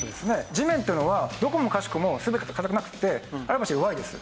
地面っていうのはどこもかしこも全て硬くなくてある場所弱いです。